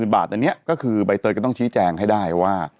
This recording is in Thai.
บาทอันนี้ก็คือใบเตยก็ต้องชี้แจงให้ได้ว่า